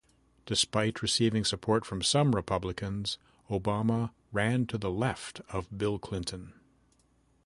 Despite receiving support from some Republicans, Obama ran to the left of Bill Clinton.